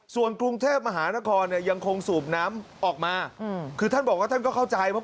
ส่วนกรุงเทพมหานครเนี่ยยังคงสูบน้ำออกมาคือท่านบอกว่าท่านก็เข้าใจเพราะ